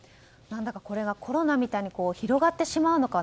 これがコロナみたいに広がってしまうのか